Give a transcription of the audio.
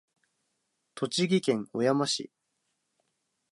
栃木県小山市